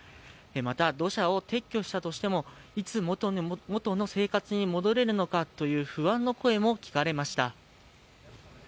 また土砂を撤去したとしてもいつ元の生活に戻れるのかという不安の声も聞かれました。